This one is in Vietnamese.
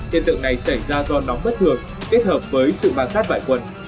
hiện tượng này xảy ra do nóng bất thường kết hợp với sự bàn sát vải quần